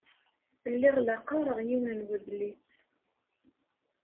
Lliɣ la qqareɣ yiwen n wedlis.